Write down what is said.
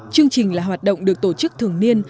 chương trình là hoạt động được tổ chức thường niên